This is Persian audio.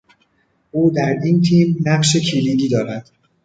او در این تیم نقش کلیدی دارد.